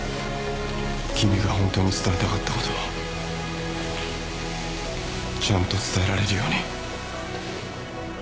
君が本当に伝えたかったことをちゃんと伝えられるように。